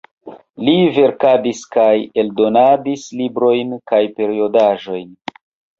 Li verkadis kaj eldonadis librojn kaj periodaĵojn.